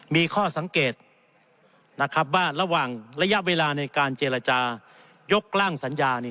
มีข้อสังเกตนะครับว่าระหว่างระยะเวลาในการเจรจายกร่างสัญญา